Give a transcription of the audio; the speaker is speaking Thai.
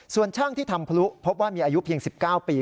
ส่วนช่างที่ทำพลุพบว่ามีอายุเพียง๑๙ปี